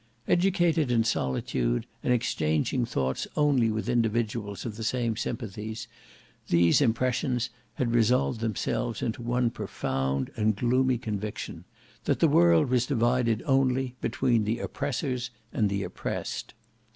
Educated in solitude and exchanging thoughts only with individuals of the same sympathies, these impression had resolved themselves into one profound and gloomy conviction, that the world was divided only between the oppressors and the oppressed.